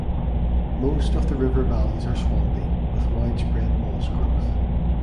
Most of the river valleys are swampy with widespread moss growth.